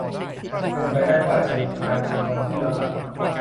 เป็นไปได้ว่าจะมีการลงวันที่ย้อนหลัง